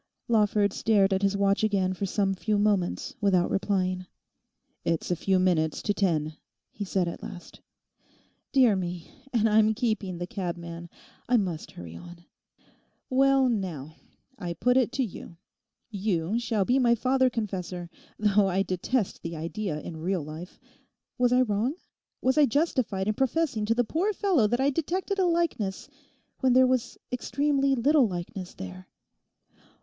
Lawford stared at his watch again for some few moments without replying. 'It's a few minutes to ten,' he said at last. 'Dear me! And I'm keeping the cabman! I must hurry on. Well, now, I put it to you; you shall be my father confessor—though I detest the idea in real life—was I wrong? Was I justified in professing to the poor fellow that I detected a likeness when there was extremely little likeness there?